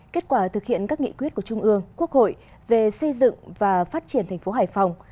kết quả thực hiện các nghị quyết của trung ương quốc hội về xây dựng và phát triển thành phố hải phòng